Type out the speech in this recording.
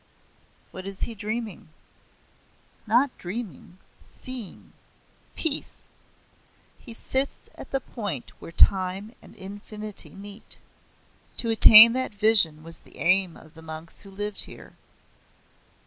"What is he dreaming?" "Not dreaming seeing. Peace. He sits at the point where time and infinity meet. To attain that vision was the aim of the monks who lived here."